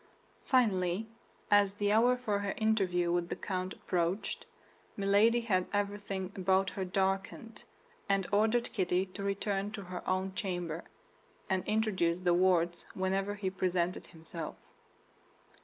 Finally, as the hour for her interview with the count approached, Milady had everything about her darkened, and ordered Kitty to return to her own chamber, and introduce De Wardes whenever he presented himself.